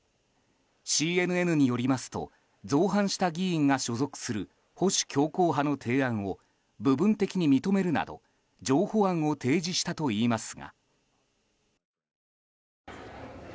ＣＮＮによりますと造反した議員が所属する保守強硬派の提案を部分的に認めるなど、譲歩案を提示したといいますが。